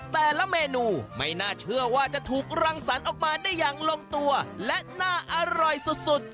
แต่ละเมนูไม่น่าเชื่อว่าจะถูกรังสรรค์ออกมาได้อย่างลงตัวและน่าอร่อยสุด